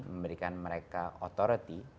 memberikan mereka authority